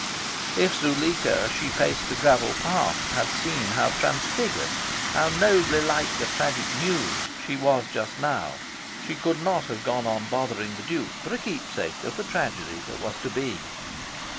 If Zuleika, as she paced the gravel path, had seen how transfigured how nobly like the Tragic Muse she was just now, she could not have gone on bothering the Duke for a keepsake of the tragedy that was to be.